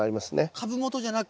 株元じゃなく。